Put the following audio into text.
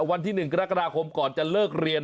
วันที่๑กรกฎาคมก่อนจะเลิกเรียน